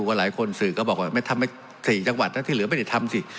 หลายคนสื่อก็บอกว่าไม่ทำให้๔จังหวัดนะที่เหลือไม่ได้ทำสิ